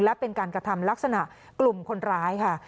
และเป็นการกระทำลักษณะกลุ่มคนร้ายค่ะ